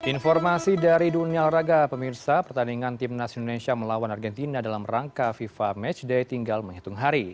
informasi dari dunia olahraga pemirsa pertandingan timnas indonesia melawan argentina dalam rangka fifa matchday tinggal menghitung hari